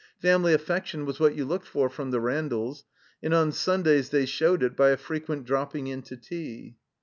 Family affection was what you looked for from the Randalls, and on Sundays they showed it by a frequent dropping in to tea.